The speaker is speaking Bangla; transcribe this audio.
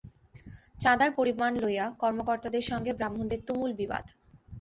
ছাঁদার পরিমাণ লইয়া কর্মকর্তাদের সঙ্গে ব্রাহ্মণদের তুমুল বিবাদ!